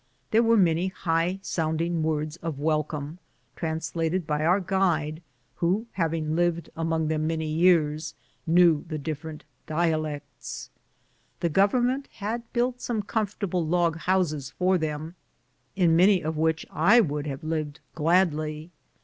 There were many high sounding words of welcome, translated by our guide, who, having lived among them many years, knew the different dia lects. The Government had built some comfortable log houses for them, in many of which I would have lived gladly.